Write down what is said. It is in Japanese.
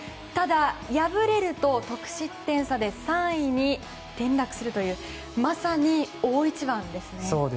ただ、敗れると得失点差で３位に転落するというまさに大一番ですね。